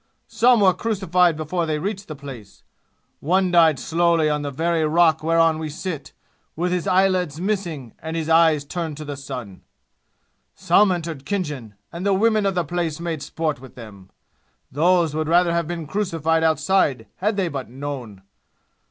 Some were crucified before they reached the place. One died slowly on the very rock whereon we sit, with his eyelids missing and his eyes turned to the sun! Some entered Khinjan, and the women of the place made sport with them. Those would rather have been crucified outside had they but known.